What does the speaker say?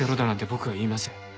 僕は言いません。